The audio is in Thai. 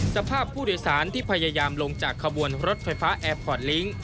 สภาพผู้โดยสารที่พยายามลงจากขบวนรถไฟฟ้าแอร์พอร์ตลิงค์